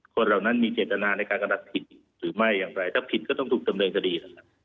เหล่านั้นมีเจตนาในการกระทำผิดหรือไม่อย่างไรถ้าผิดก็ต้องถูกดำเนินคดี